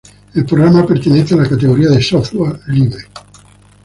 El programa pertenece a la categoría de software libre.